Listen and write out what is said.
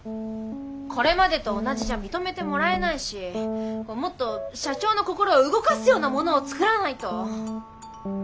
これまでと同じじゃ認めてもらえないしもっと社長の心を動かすようなものを作らないと。